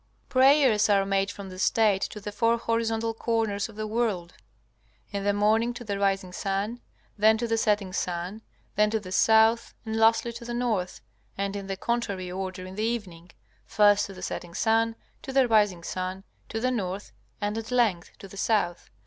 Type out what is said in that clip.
Prayers are made from the State to the four horizontal corners of the world in the morning to the rising sun, then to the setting sun, then to the south, and lastly to the north; and in the contrary order in the evening, first to the setting sun, to the rising sun, to the north, and at length to the south.